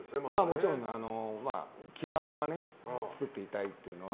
もちろん、基盤は作っていたいっていうのは。